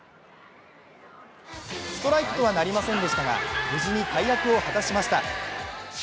ストライクとはなりませんでしたが無事に大役を果たしました。